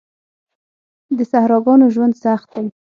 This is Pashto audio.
د صحراګانو ژوند سخت دی.